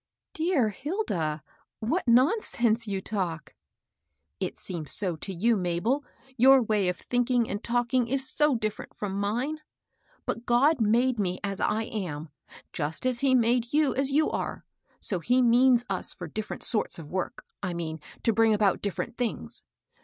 " Dear Hilda, what nonsense you talk 1 '*" It seems so to you, Mabel, your way of think ing and talking is so different from mine. But God made me as I am, just as he made you as you are ; so he means us for different sorts of WQ|k, — I mean, to bring about different things.